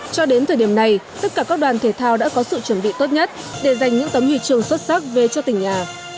cho đến thời điểm này tất cả các đoàn thể thao đã có sự chuẩn bị tốt nhất để giành những tấm huy chương xuất sắc về cho tỉnh nhà